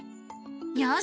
よし！